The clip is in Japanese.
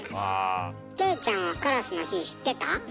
キョエちゃんはカラスの日知ってた？